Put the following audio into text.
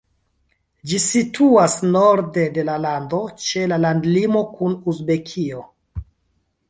Ĝi situas norde de la lando, ĉe la landlimo kun Uzbekio.